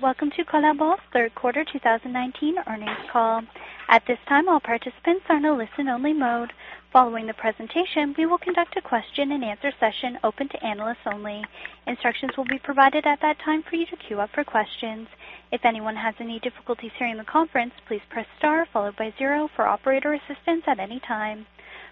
Welcome to Colabor's Third Quarter 2019 Earnings Call. At this time, all participants are in a listen-only mode. Following the presentation, we will conduct a question-and-answer session open to analysts only. Instructions will be provided at that time for you to queue up for questions. If anyone has any difficulties hearing the conference, please press star followed by zero for operator assistance at any time.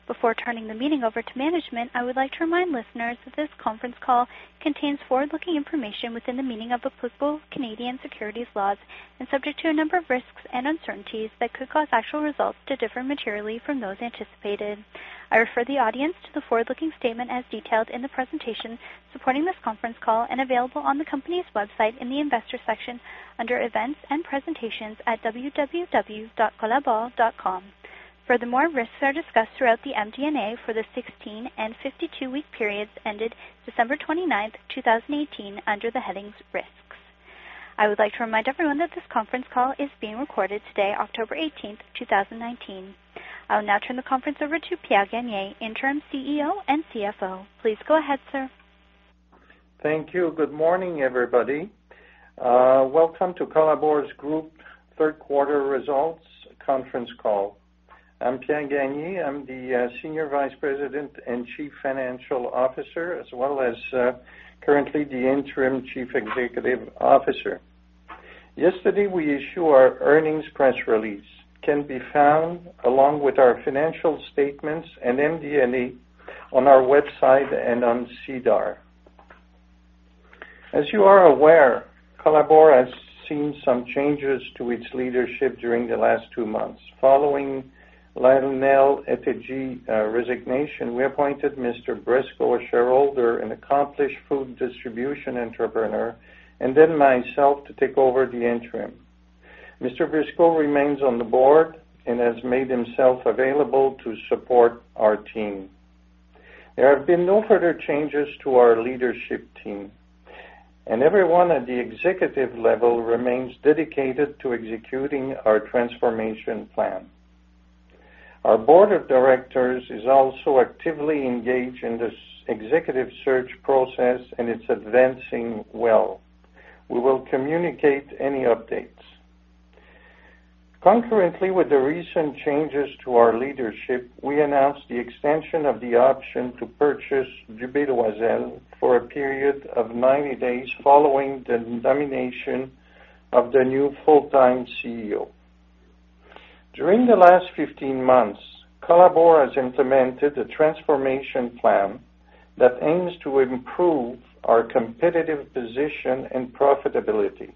Before turning the meeting over to management, I would like to remind listeners that this conference call contains forward-looking information within the meaning of applicable Canadian securities laws and subject to a number of risks and uncertainties that could cause actual results to differ materially from those anticipated. I refer the audience to the forward-looking statement as detailed in the presentation supporting this conference call and available on the company's website in the investor section under Events and Presentations at www.colabor.com. Furthermore, risks are discussed throughout the MD&A for the 16 and 52-week periods ended December 29th, 2018, under the headings Risks. I would like to remind everyone that this conference call is being recorded today, October 18th, 2019. I will now turn the conference over to Pierre Gagné, Interim CEO and CFO. Please go ahead, sir. Thank you. Good morning, everybody. Welcome to Colabor Group's third quarter results conference call. I'm Pierre Gagné. I'm the Senior Vice President and Chief Financial Officer, as well as currently the Interim Chief Executive Officer. Yesterday, we issued our earnings press release. It can be found along with our financial statements and MD&A on our website and on SEDAR. As you are aware, Colabor has seen some changes to its leadership during the last two months. Following Lionel Ettedgui's resignation, we appointed Mr. Briscoe, a shareholder, an accomplished food distribution entrepreneur, and then myself to take over the interim. Mr. Briscoe remains on the board and has made himself available to support our team. There have been no further changes to our leadership team and everyone at the executive level remains dedicated to executing our transformation plan. Our board of directors is also actively engaged in this executive search process, and it's advancing well. We will communicate any updates. Concurrently with the recent changes to our leadership, we announced the extension of the option to purchase Joubert-Doisnel for a period of 90 days following the nomination of the new full-time CEO. During the last 15 months, Colabor has implemented a transformation plan that aims to improve our competitive position and profitability.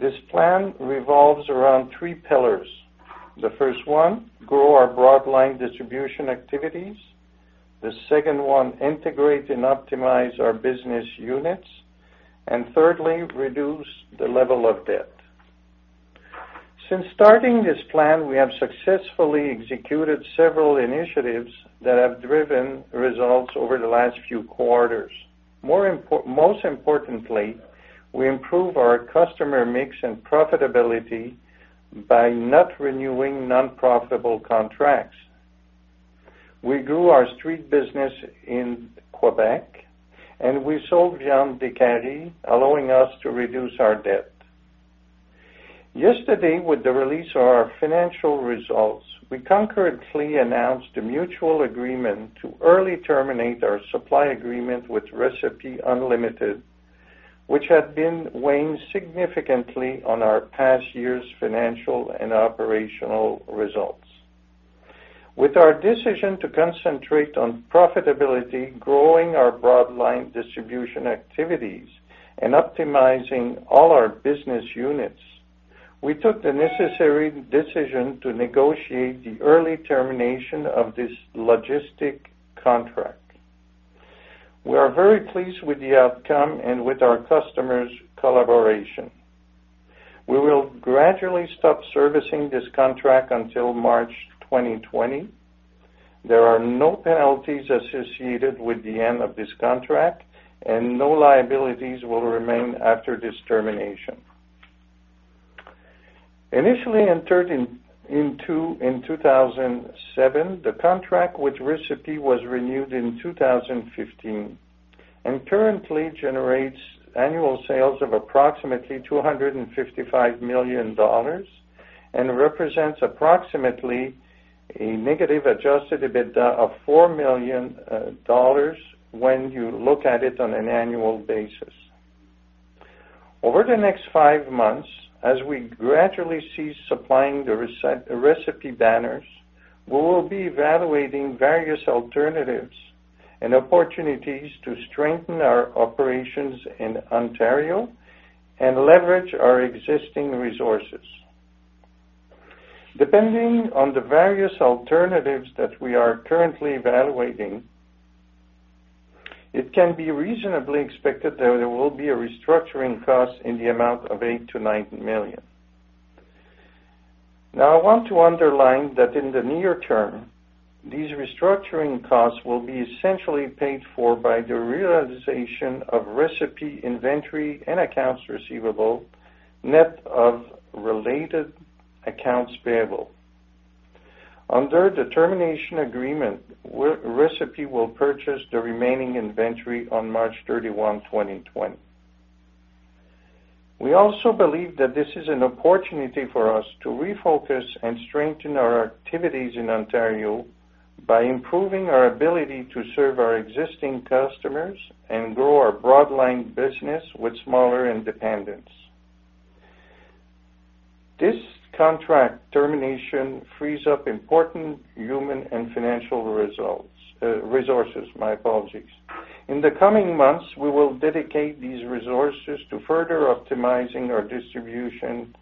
This plan revolves around three pillars. The first one, grow our broadline distribution activities. The second one, integrate and optimize our business units. Thirdly, reduce the level of debt. Since starting this plan, we have successfully executed several initiatives that have driven results over the last few quarters. Most importantly, we improve our customer mix and profitability by not renewing non-profitable contracts. We grew our street business in Quebec, and we sold Viandes Décarie, allowing us to reduce our debt. Yesterday, with the release of our financial results, we concurrently announced a mutual agreement to early terminate our supply agreement with Recipe Unlimited, which had been weighing significantly on our past year's financial and operational results. With our decision to concentrate on profitability, growing our broadline distribution activities, and optimizing all our business units, we took the necessary decision to negotiate the early termination of this logistic contract. We are very pleased with the outcome and with our customers' collaboration. We will gradually stop servicing this contract until March 2020. There are no penalties associated with the end of this contract and no liabilities will remain after this termination. Initially entered in 2007, the contract with Recipe was renewed in 2015 and currently generates annual sales of approximately 255 million dollars and represents approximately a negative Adjusted EBITDA of 4 million dollars when you look at it on an annual basis. Over the next five months, as we gradually cease supplying the Recipe banners, we will be evaluating various alternatives and opportunities to strengthen our operations in Ontario and leverage our existing resources. Depending on the various alternatives that we are currently evaluating, it can be reasonably expected that there will be a restructuring cost in the amount of 8 million to 9 million. I want to underline that in the near term, these restructuring costs will be essentially paid for by the realization of Recipe inventory and accounts receivable, net of related accounts payable. Under the termination agreement, Recipe will purchase the remaining inventory on March 31, 2020. We also believe that this is an opportunity for us to refocus and strengthen our activities in Ontario by improving our ability to serve our existing customers and grow our broadline business with smaller independents. This contract termination frees up important human and financial resources, my apologies. In the coming months, we will dedicate these resources to further optimizing our distribution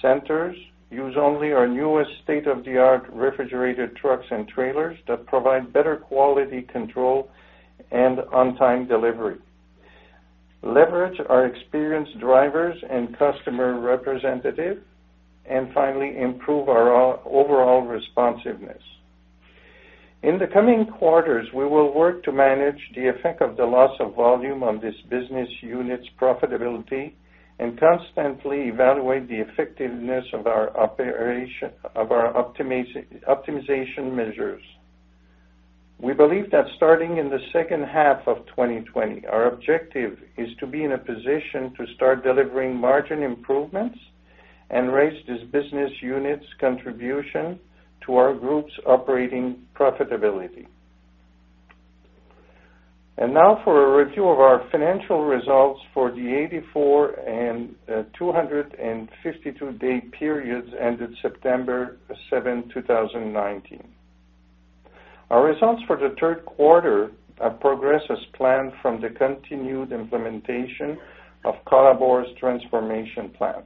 centers, use only our newest state-of-the-art refrigerated trucks and trailers that provide better quality control and on-time delivery, leverage our experienced drivers and customer representative, and finally, improve our overall responsiveness. In the coming quarters, we will work to manage the effect of the loss of volume on this business unit's profitability and constantly evaluate the effectiveness of our optimization measures. We believe that starting in the second half of 2020, our objective is to be in a position to start delivering margin improvements and raise this business unit's contribution to our group's operating profitability. Now for a review of our financial results for the 84 and 252-day periods ended September 7, 2019. Our results for the third quarter progress as planned from the continued implementation of Colabor's transformation plan.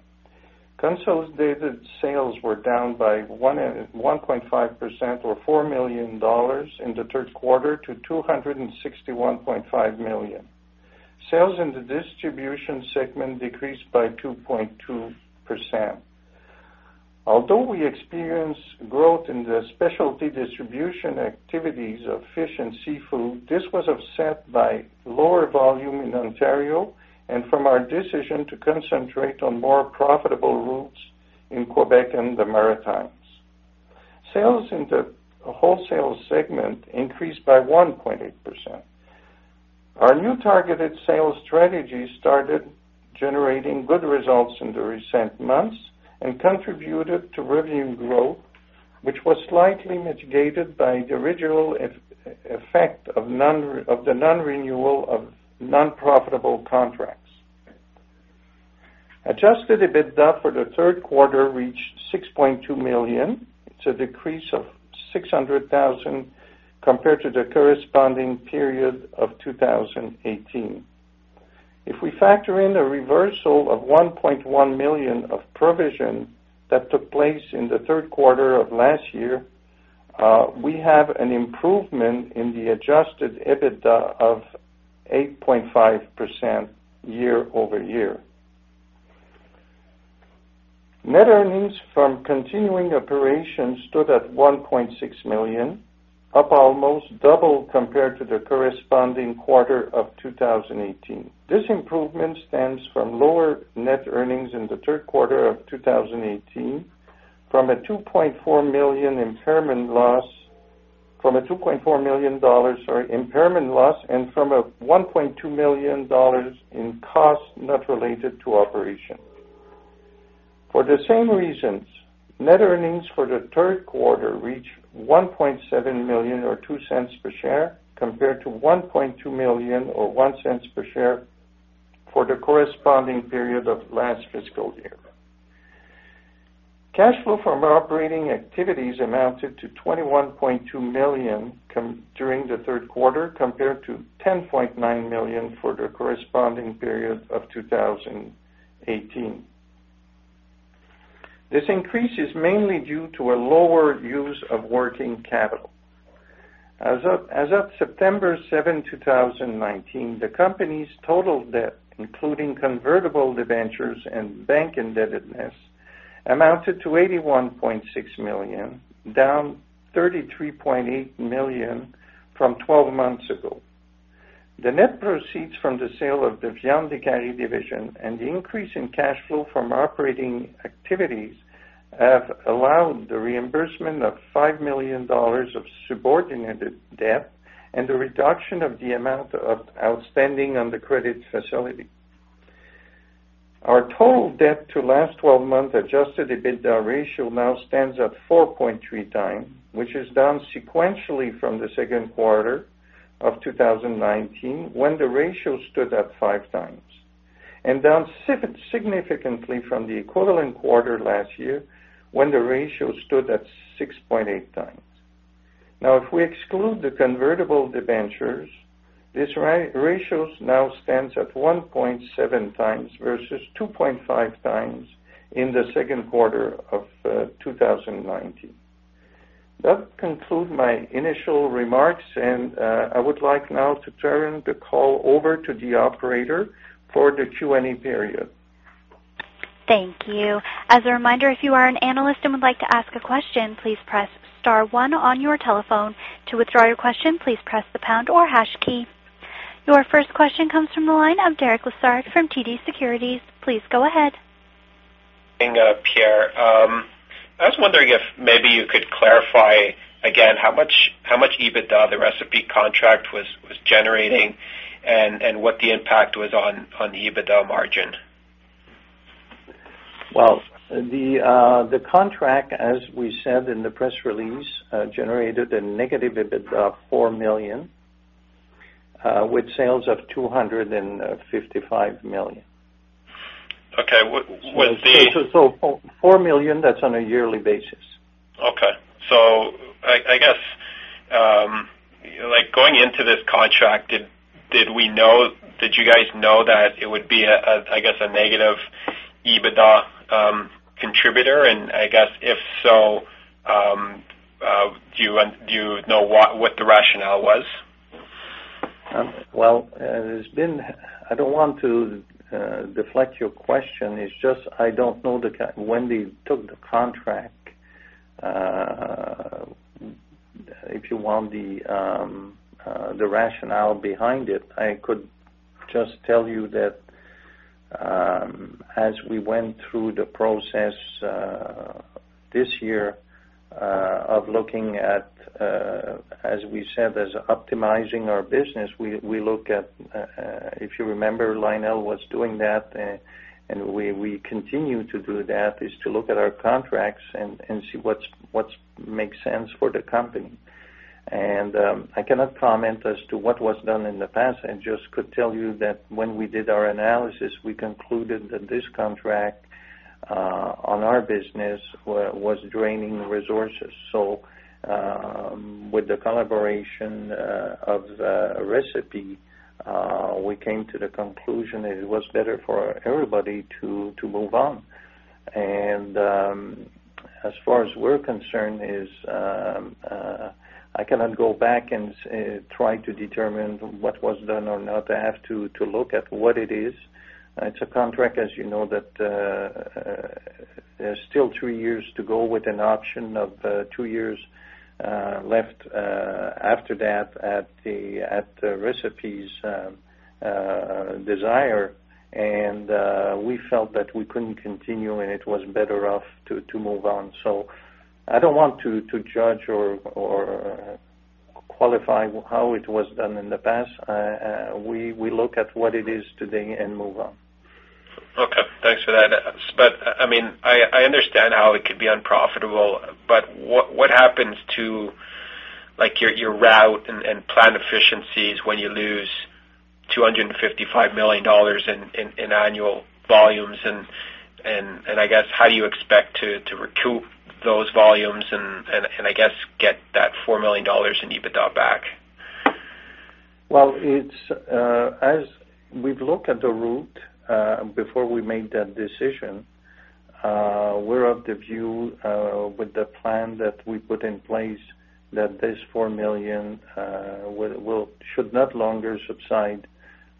Consolidated sales were down by 1.5% or 4 million dollars in the third quarter to 261.5 million. Sales in the distribution segment decreased by 2.2%. Although we experienced growth in the specialty distribution activities of fish and seafood, this was offset by lower volume in Ontario and from our decision to concentrate on more profitable routes in Quebec and the Maritimes. Sales in the wholesale segment increased by 1.8%. Our new targeted sales strategy started generating good results in the recent months and contributed to revenue growth, which was slightly mitigated by the original effect of the non-renewal of non-profitable contracts. Adjusted EBITDA for the third quarter reached 6.2 million. It's a decrease of 600,000 compared to the corresponding period of 2018. If we factor in the reversal of 1.1 million of provision that took place in the third quarter of last year, we have an improvement in the Adjusted EBITDA of 8.5% year-over-year. Net earnings from continuing operations stood at 1.6 million, up almost double compared to the corresponding quarter of 2018. This improvement stems from lower net earnings in the third quarter of 2018 from a 2.4 million dollars impairment loss and from a 1.2 million dollars in costs not related to operations. For the same reasons, net earnings for the third quarter reached 1.7 million or 0.02 per share, compared to 1.2 million or 0.01 per share for the corresponding period of last fiscal year. Cash flow from our operating activities amounted to 21.2 million during the third quarter, compared to 10.9 million for the corresponding period of 2018. This increase is mainly due to a lower use of working capital. As of September 7, 2019, the company's total debt, including convertible debentures and bank indebtedness, amounted to 81.6 million, down 33.8 million from 12 months ago. The net proceeds from the sale of the Viandes Décarie division and the increase in cash flow from operating activities have allowed the reimbursement of 5 million dollars of subordinated debt and the reduction of the amount outstanding on the credit facility. Our total debt to last 12 months Adjusted EBITDA ratio now stands at 4.3x, which is down sequentially from the second quarter of 2019 when the ratio stood at 5x, and down significantly from the equivalent quarter last year when the ratio stood at 6.8x. If we exclude the convertible debentures, this ratio now stands at 1.7x versus 2.5x in the second quarter of 2019. That concludes my initial remarks, and I would like now to turn the call over to the operator for the Q&A period. Thank you. As a reminder, if you are an analyst and would like to ask a question, please press star one on your telephone. To withdraw your question, please press the pound or hash key. Your first question comes from the line of Derek Lessard from TD Securities. Please go ahead. Pierre, I was wondering if maybe you could clarify again how much EBITDA the Recipe contract was generating and what the impact was on the EBITDA margin? The contract, as we said in the press release, generated a negative EBITDA of 4 million, with sales of 255 million. Okay. What's the- 4 million, that's on a yearly basis. Okay. I guess, going into this contract, did you guys know that it would be a negative EBITDA contributor? If so, do you know what the rationale was? Well, I don't want to deflect your question. It's just, I don't know when they took the contract. If you want the rationale behind it, I could just tell you that as we went through the process this year of looking at, as we said, as optimizing our business, we look at, if you remember, Lionel was doing that, and we continue to do that, is to look at our contracts and see what makes sense for the company. I cannot comment as to what was done in the past. I just could tell you that when we did our analysis, we concluded that this contract, on our business, was draining resources. With the collaboration of Recipe, we came to the conclusion that it was better for everybody to move on. As far as we're concerned, I cannot go back and try to determine what was done or not. I have to look at what it is. It's a contract, as you know, that there's still two years to go with an option of two years left after that at Recipe's desire. We felt that we couldn't continue, and it was better off to move on. I don't want to judge or qualify how it was done in the past. We look at what it is today and move on. Okay. Thanks for that. I understand how it could be unprofitable but what happens to your route and plan efficiencies when you lose 255 million dollars in annual volumes? How do you expect to recoup those volumes and, I guess, get that 4 million dollars in EBITDA back? Well, as we've looked at the route, before we made that decision, we're of the view, with the plan that we put in place, that this 4 million should no longer subside,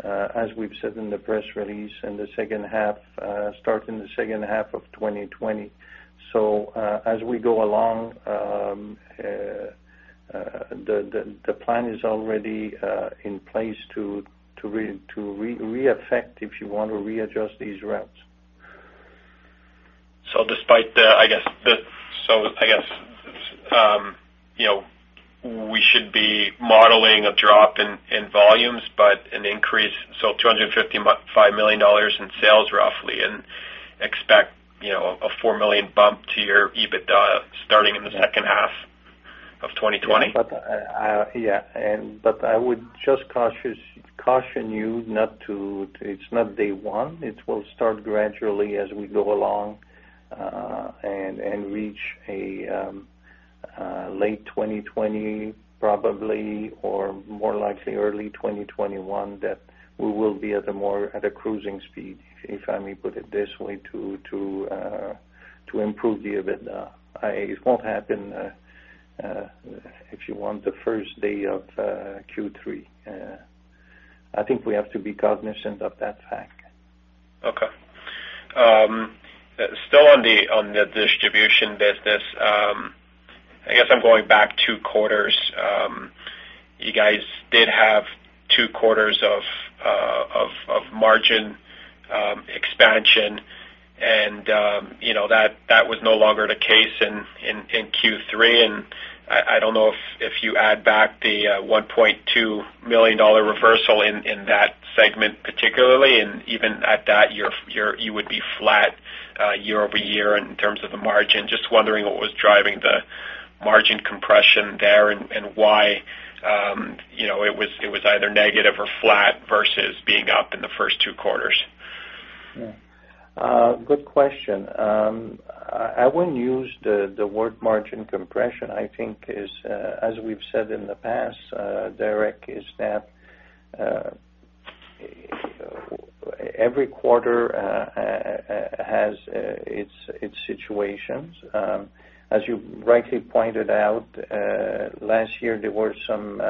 as we've said in the press release, starting the second half of 2020. As we go along, the plan is already in place to reaffect, if you want, or readjust these routes. I guess, we should be modeling a drop in volumes, but an increase, 255 million dollars in sales roughly, and expect a 4 million bump to your EBITDA starting in the second half of 2020. Yeah. I would just caution you, it's not day one. It will start gradually as we go along, and reach late 2020 probably or more likely early 2021 that we will be at a cruising speed, if I may put it this way, to improve the EBITDA. It won't happen, if you want, the first day of Q3. I think we have to be cognizant of that fact. Okay. Still on the distribution business. I guess I'm going back two quarters. You guys did have two quarters of margin expansion, and that was no longer the case in Q3. I don't know if you add back the 1.2 million dollar reversal in that segment, particularly, and even at that, you would be flat year-over-year in terms of the margin. Just wondering what was driving the margin compression there and why it was either negative or flat versus being up in the first two quarters. Good question. I wouldn't use the word margin compression. I think, as we've said in the past, Derek, is that every quarter has its situations. As you rightly pointed out, last year there were some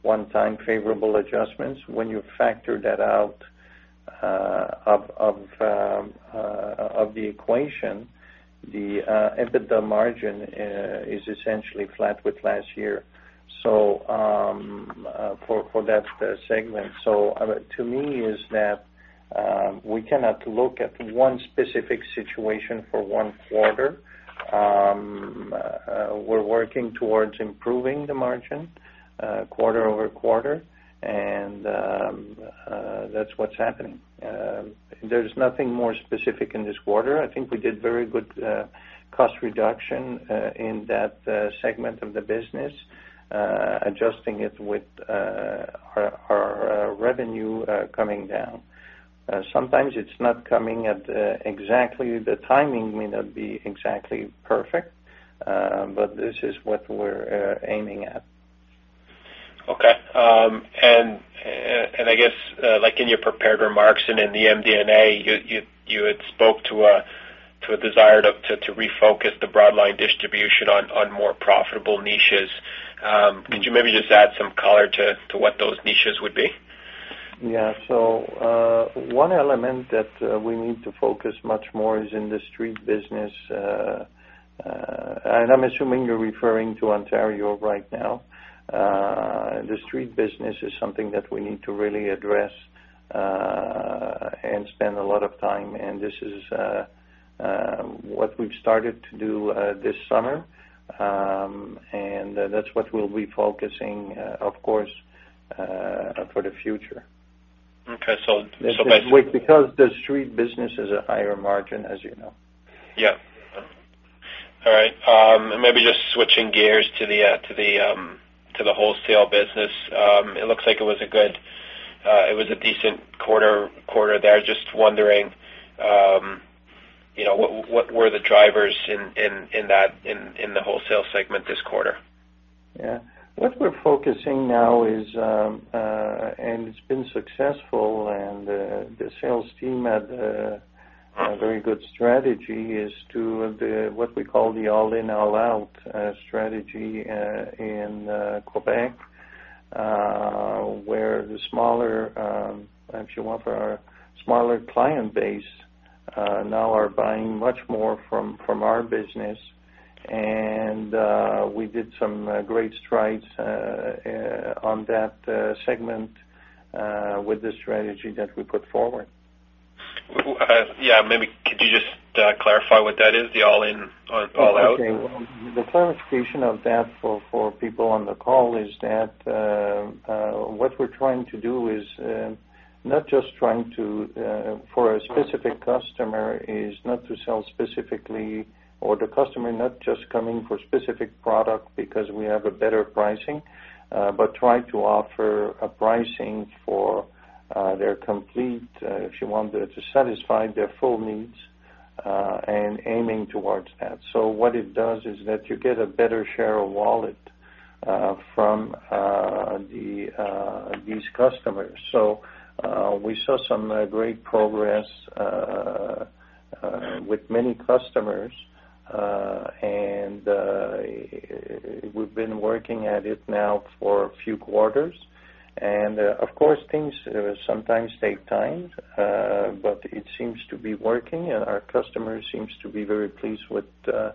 one-time favorable adjustments. When you factor that out of the equation, the EBITDA margin is essentially flat with last year for that segment. To me is that we cannot look at one specific situation for one quarter. We're working towards improving the margin quarter-over-quarter, and that's what's happening. There's nothing more specific in this quarter. I think we did very good cost reduction in that segment of the business, adjusting it with our revenue coming down. Sometimes it's not coming at exactly the timing may not be exactly perfect but this is what we're aiming at. Okay. I guess, like in your prepared remarks and in the MD&A, you had spoke to a desire to refocus the broadline distribution on more profitable niches. Could you maybe just add some color to what those niches would be? Yeah. One element that we need to focus much more is in the street business. I'm assuming you're referring to Ontario right now. The street business is something that we need to really address, and spend a lot of time, and this is what we've started to do this summer. That's what we'll be focusing, of course, for the future. Okay. The street business is a higher margin, as you know. Yeah. All right. Maybe just switching gears to the wholesale business. It looks like it was a decent quarter there. Just wondering, what were the drivers in the wholesale segment this quarter? Yeah. What we're focusing now is, and it's been successful and the sales team had a very good strategy, is to the, what we call the all-in, all-out strategy in Quebec, where the smaller, if you want, for our smaller client base, now are buying much more from our business. We did some great strides on that segment, with the strategy that we put forward. Yeah. Maybe could you just clarify what that is, the all-in, all out? The clarification of that for people on the call is that, what we're trying to do is not just trying to, for a specific customer, is not to sell specifically or the customer not just coming for specific product because we have a better pricing but try to offer a pricing for their complete, if you want, to satisfy their full needs, and aiming towards that. What it does is that you get a better share of wallet from these customers. We saw some great progress with many customers and we've been working at it now for a few quarters. Of course, things sometimes take time, but it seems to be working, and our customers seems to be very pleased with this,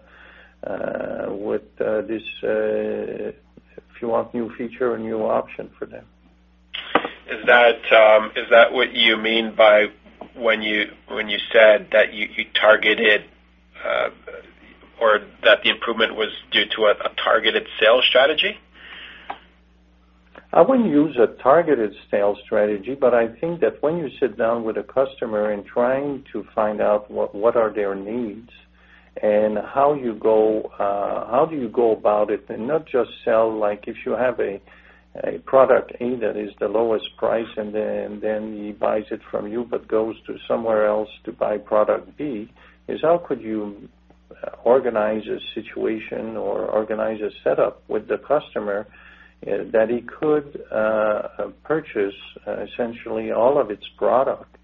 if you want, new feature or new option for them. Is that what you mean by when you said that you targeted, or that the improvement was due to a targeted sales strategy? I wouldn't use a targeted sales strategy, but I think that when you sit down with a customer and trying to find out what are their needs and how do you go about it and not just sell, like if you have a product A that is the lowest price, then he buys it from you but goes to somewhere else to buy product B, is how could you organize a situation or organize a setup with the customer that he could purchase essentially all of its product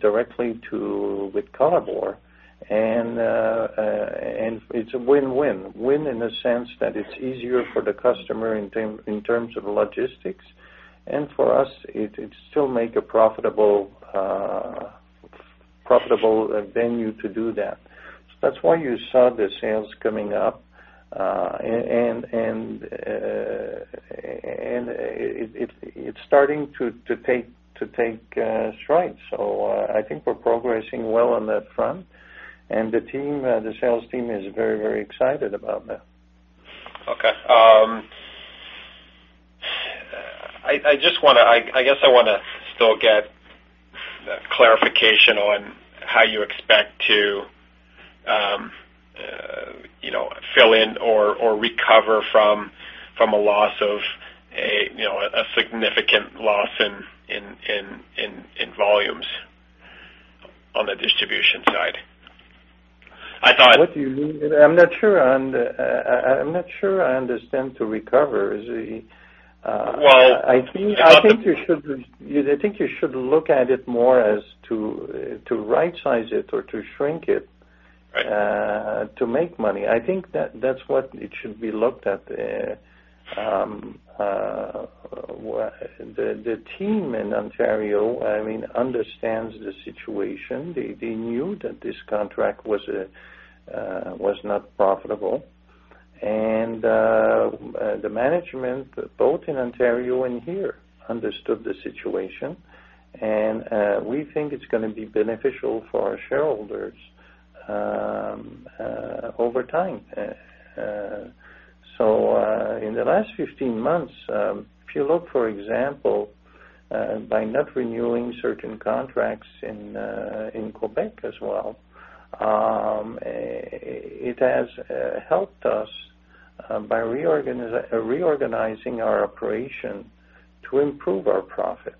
directly with Colabor. It's a win-win. Win in the sense that it's easier for the customer in terms of logistics and for us, it still make a profitable venue to do that. That's why you saw the sales coming up. It's starting to take strides. I think we're progressing well on that front. The sales team is very excited about that. Okay. I guess I want to still get clarification on how you expect to fill in or recover from a significant loss in volumes on the distribution side. What do you mean? I'm not sure I understand to recover. Well- I think you should look at it more as to rightsize it or to shrink it. Right. To make money. I think that's what should be looked at. The team in Ontario understands the situation. They knew that this contract was not profitable. The management, both in Ontario and here, understood the situation. We think it's going to be beneficial for our shareholders over time. In the last 15 months, if you look, for example, by not renewing certain contracts in Quebec as well, it has helped us by reorganizing our operation to improve our profit.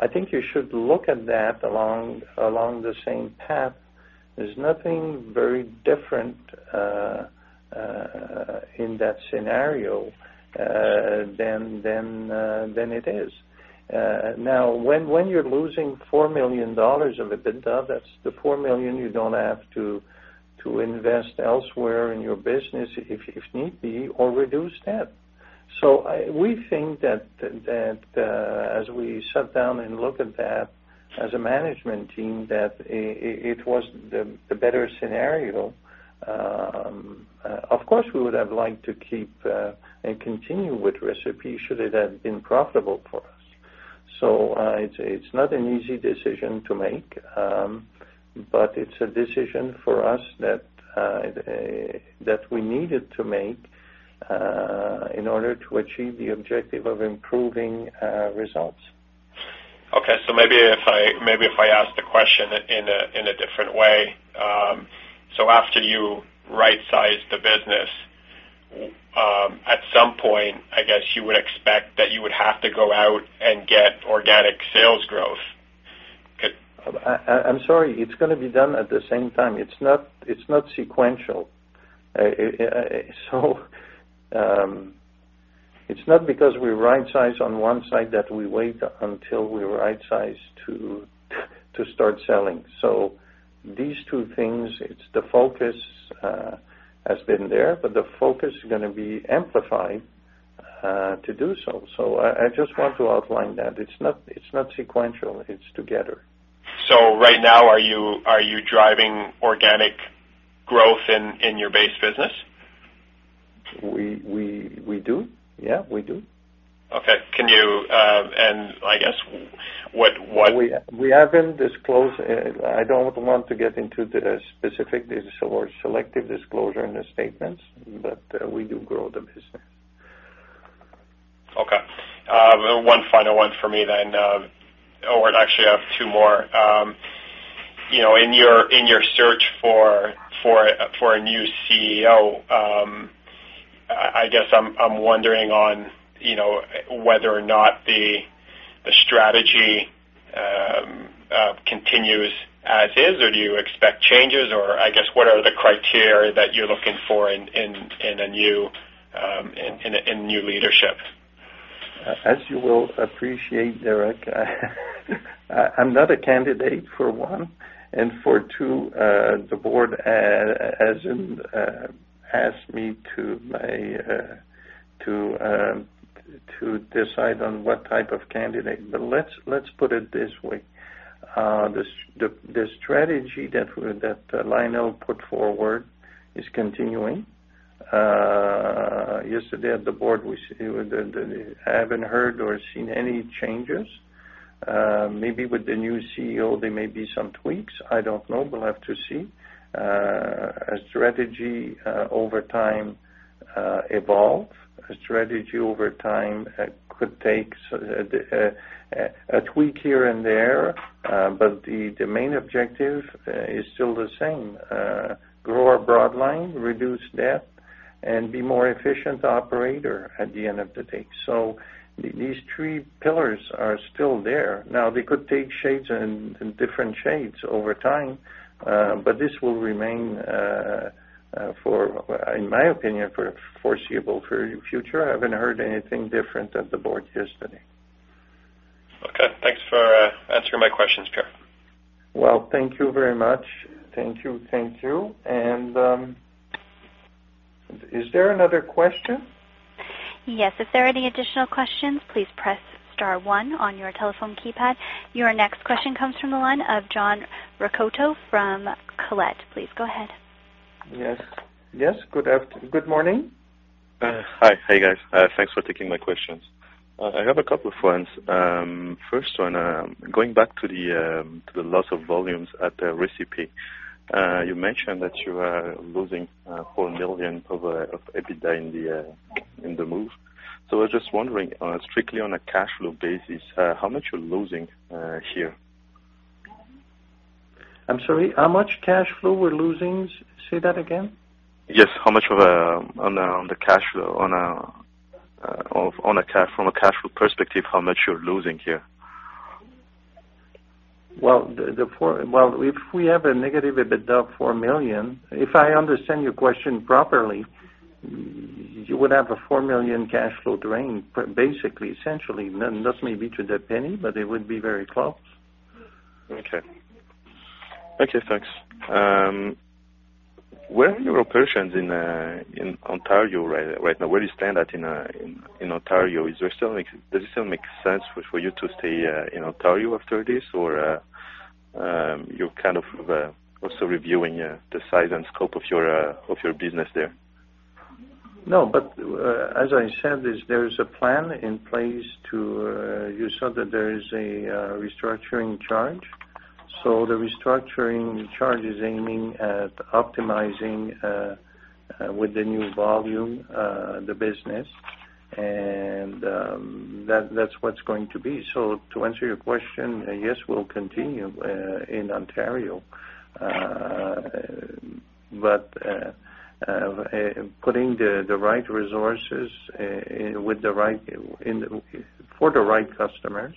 I think you should look at that along the same path. There's nothing very different in that scenario than it is. Now, when you're losing 4 million dollars of EBITDA, that's the 4 million you don't have to invest elsewhere in your business if need be or reduce debt. We think that as we sat down and looked at that as a management team, that it was the better scenario. Of course, we would have liked to keep and continue with Recipe should it have been profitable for us. It's not an easy decision to make. It's a decision for us that we needed to make in order to achieve the objective of improving results. Okay. Maybe if I ask the question in a different way. After you right-size the business, at some point, I guess you would expect that you would have to go out and get organic sales growth. I'm sorry. It's going to be done at the same time. It's not sequential. It's not because we right-size on one side that we wait until we right-size to start selling. These two things, the focus has been there, but the focus is going to be amplified to do so. I just want to outline that. It's not sequential. It's together. Right now, are you driving organic growth in your base business? We do. Yeah, we do. Okay. I guess what- We haven't disclosed. I don't want to get into the specific. There's a selective disclosure in the statements, but we do grow the business. Okay. One final one for me then. Actually, I have two more. In your search for a new CEO, I guess I'm wondering on whether or not the strategy continues as is, or do you expect changes, or I guess, what are the criteria that you're looking for in new leadership? As you will appreciate, Derek, I'm not a candidate, for one. For two, the board hasn't asked me to decide on what type of candidate. Let's put it this way. The strategy that Lionel put forward is continuing. Yesterday at the board, I haven't heard or seen any changes. Maybe with the new CEO, there may be some tweaks. I don't know. We'll have to see. A strategy over time evolves. A strategy over time could take a tweak here and there. The main objective is still the same. Grow our broadline, reduce debt, and be a more efficient operator at the end of the day. These three pillars are still there. Now, they could take different shades over time. This will remain, in my opinion, for the foreseeable future. I haven't heard anything different at the board yesterday. Okay. Thanks for answering my questions, Pierre. Well, thank you very much. Thank you. Is there another question? Yes. If there are any additional questions, please press star one on your telephone keypad. Your next question comes from the line of John Ricotto from Colette. Please go ahead. Yes. Good morning. Hi. Hey, guys. Thanks for taking my questions. I have a couple of ones. First one, going back to the loss of volumes at Recipe. You mentioned that you are losing 4 million of EBITDA in the move. I was just wondering, strictly on a cash flow basis, how much you're losing here? I'm sorry, how much cash flow we're losing? Say that again. Yes. From a cash flow perspective, how much you're losing here? Well, if we have a negative EBITDA of 4 million, if I understand your question properly. You would have a 4 million cash flow drain, basically, essentially. Not maybe to the penny, but it would be very close. Okay. Thanks. Where are your operations in Ontario right now? Where do you stand at in Ontario? Does it still make sense for you to stay in Ontario after this, or are you also reviewing the size and scope of your business there? As I said, there is a plan in place. You saw that there is a restructuring charge. The restructuring charge is aiming at optimizing with the new volume, the business, and that's what's going to be. To answer your question, yes, we'll continue in Ontario. Putting the right resources for the right customers,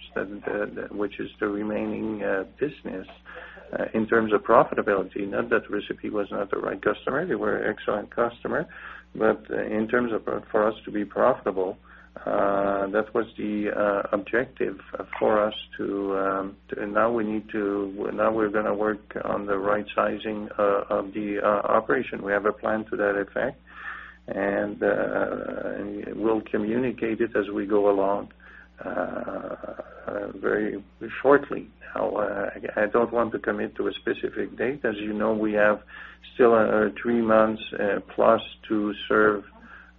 which is the remaining business in terms of profitability. Not that Recipe was not the right customer, they were excellent customer but in terms of for us to be profitable, that was the objective for us. Now we're going to work on the right sizing of the operation. We have a plan to that effect, and we'll communicate it as we go along very shortly. I don't want to commit to a specific date. As you know, we have still three months plus to serve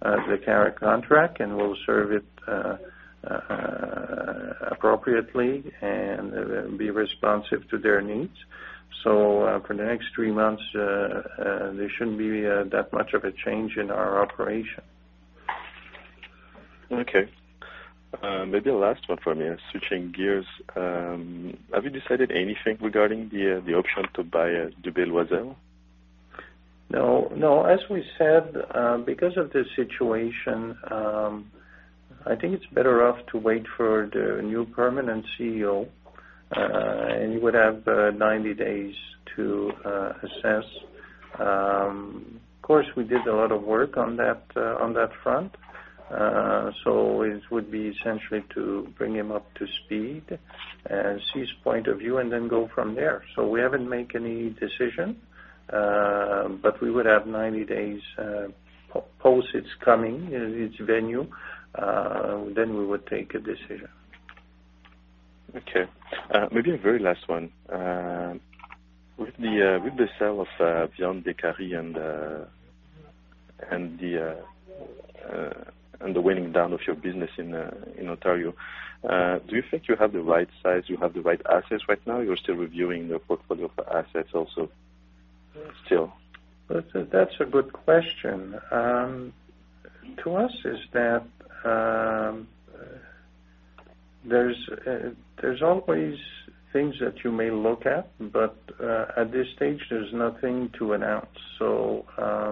the Cara contract, and we'll serve it appropriately and be responsive to their needs. For the next three months, there shouldn't be that much of a change in our operation. Okay. Maybe the last one from me. Switching gears, have you decided anything regarding the option to buy Joubert-Doisnel? No. As we said, because of the situation, I think it's better off to wait for the new permanent CEO. He would have 90 days to assess. Of course, we did a lot of work on that front. It would be essentially to bring him up to speed and see his point of view and then go from there. We haven't made any decision, but we would have 90 days post its coming, its venue, then we would take a decision. Okay. Maybe a very last one. With the sale of Viandes Décarie and the waning down of your business in Ontario, do you think you have the right size, you have the right assets right now? You're still reviewing the portfolio for assets also, still. That's a good question. To us, there's always things that you may look at but at this stage, there's nothing to announce. I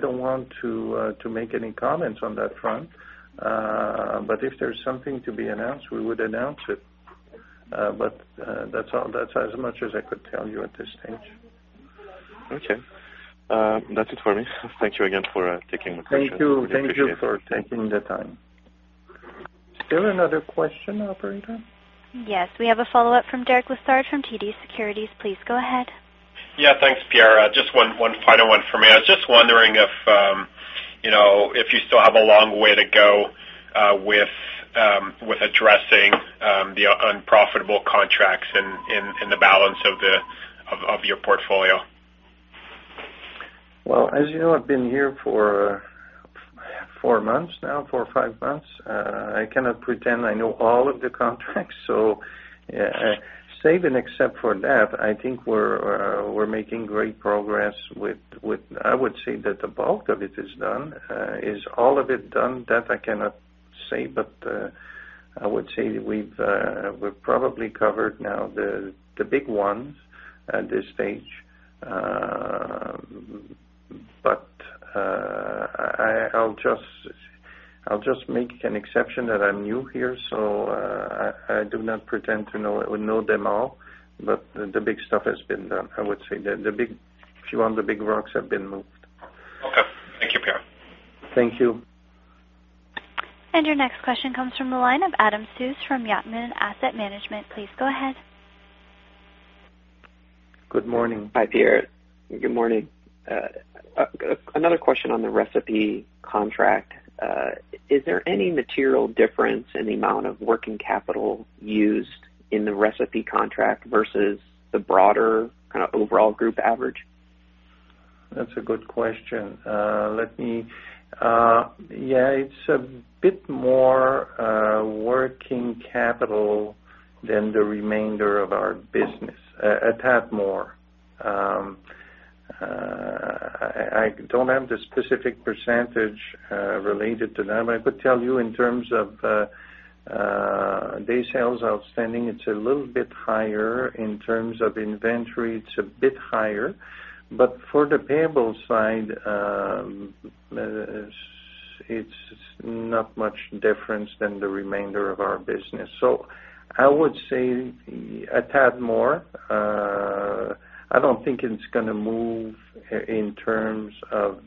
don't want to make any comments on that front. If there's something to be announced, we would announce it. That's as much as I could tell you at this stage. Okay. That's it for me. Thank you again for taking the time. Thank you for taking the time. Is there another question, operator? Yes. We have a follow-up from Derek Lessard from TD Securities. Please go ahead. Yeah. Thanks, Pierre. Just one final one for me. I was just wondering if you still have a long way to go with addressing the unprofitable contracts in the balance of your portfolio. Well, as you know, I've been here for four months now, four or five months. I cannot pretend I know all of the contracts. Save and except for that, I think we're making great progress. I would say that the bulk of it is done. Is all of it done? That I cannot say, but I would say we've probably covered now the big ones at this stage. I'll just make an exception that I'm new here, so I do not pretend to know them all. The big stuff has been done, I would say. A few of the big rocks have been moved. Okay. Thank you, Pierre. Thank you. Your next question comes from the line of Adam Suess from Yatman Asset Management. Please go ahead. Good morning. Hi, Pierre. Good morning. Another question on the Recipe contract. Is there any material difference in the amount of working capital used in the Recipe contract versus the broader kind of overall group average? That's a good question. It's a bit more working capital than the remainder of our business. A tad more. I don't have the specific percentage related to them. I could tell you in terms of day sales outstanding, it's a little bit higher. In terms of inventory, it's a bit higher. For the payable side, it's not much difference than the remainder of our business. I would say a tad more. I don't think it's going to move in terms of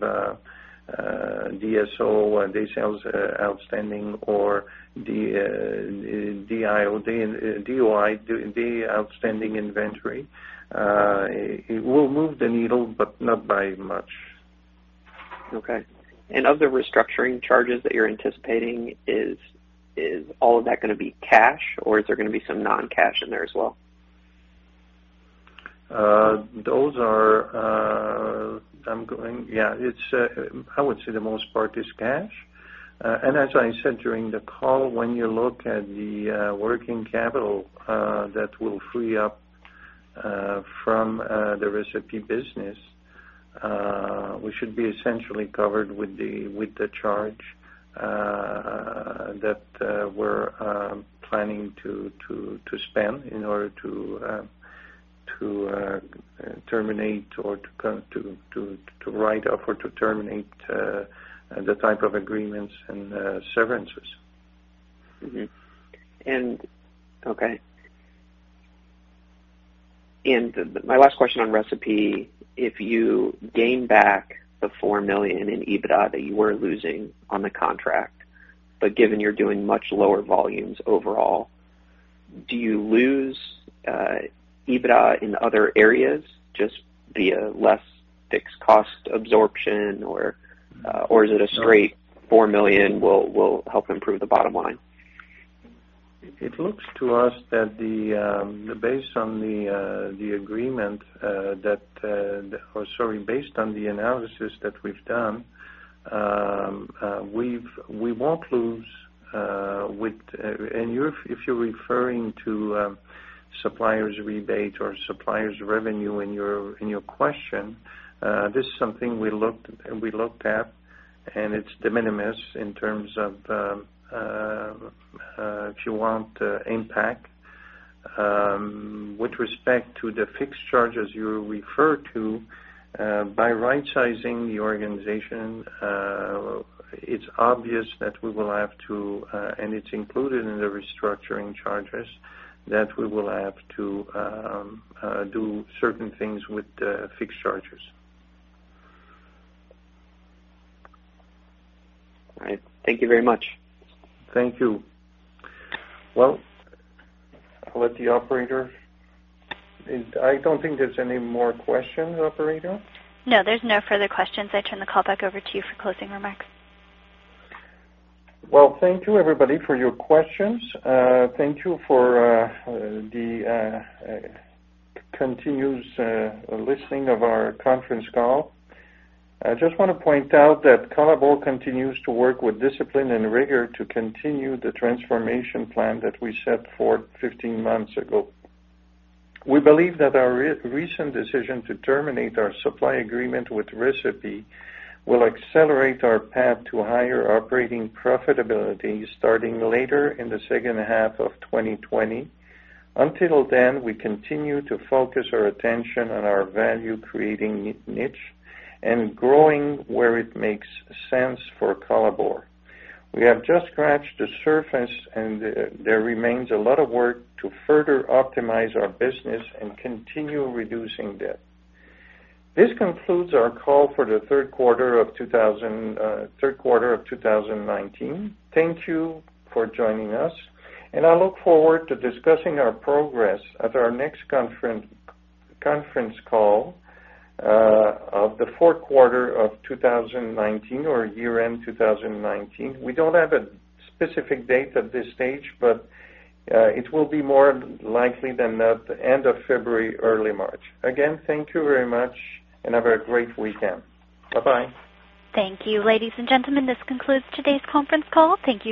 DSO, Day Sales Outstanding, or DOI, Day Outstanding Inventory. It will move the needle, but not by much. Okay. Of the restructuring charges that you're anticipating, is all of that going to be cash, or is there going to be some non-cash in there as well? I would say the most part is cash. As I said during the call, when you look at the working capital that will free up from the Recipe business, we should be essentially covered with the charge that we're planning to spend in order to write off or to terminate the type of agreements and severances. Okay. My last question on Recipe, if you gain back the 4 million in EBITDA that you were losing on the contract, given you're doing much lower volumes overall, do you lose EBITDA in other areas, just via less fixed cost absorption, or is it a straight 4 million will help improve the bottom line? It looks to us that based on the analysis that we've done, we won't lose. If you're referring to suppliers rebate or suppliers revenue in your question, this is something we looked at and it's de minimis in terms of, if you want, impact. With respect to the fixed charges you refer to, by right-sizing the organization, it's obvious that we will have to, and it's included in the restructuring charges, that we will have to do certain things with fixed charges. All right. Thank you very much. Thank you. I'll let the operator. I don't think there's any more questions, operator. No, there's no further questions. I turn the call back over to you for closing remarks. Thank you everybody for your questions. Thank you for the continuous listening of our conference call. I just want to point out that Colabor continues to work with discipline and rigor to continue the transformation plan that we set forth 15 months ago. We believe that our recent decision to terminate our supply agreement with Recipe will accelerate our path to higher operating profitability starting later in the second half of 2020. Until then, we continue to focus our attention on our value-creating niche and growing where it makes sense for Colabor. We have just scratched the surface and there remains a lot of work to further optimize our business and continue reducing debt. This concludes our call for the third quarter of 2019. Thank you for joining us, and I look forward to discussing our progress at our next conference call of the fourth quarter of 2019 or year-end 2019. We don't have a specific date at this stage, but it will be more likely than not the end of February, early March. Again, thank you very much and have a great weekend. Bye-bye. Thank you. Ladies and gentlemen, this concludes today's conference call. Thank you.